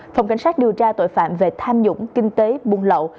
phòng cảnh sát điều tra tội phạm về tham nhũng kinh tế buôn lậu